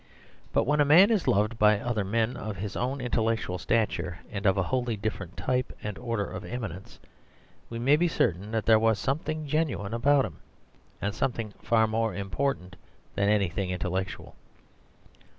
But when a man is loved by other men of his own intellectual stature and of a wholly different type and order of eminence, we may be certain that there was something genuine about him, and something far more important than anything intellectual.